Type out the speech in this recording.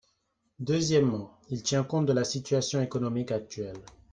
Deuxièmement, il tient compte de la situation économique actuelle.